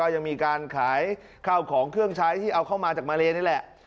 ยังมีการขายข้าวของเครื่องใช้ที่เอาเข้ามาจากมาเลนี่แหละ